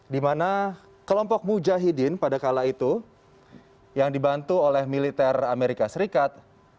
di mana kelompok mujahidin pada kala itu yang dibantu oleh militer amerika serikat